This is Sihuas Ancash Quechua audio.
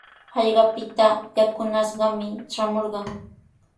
Hallqapita yakunashqami traamurqan.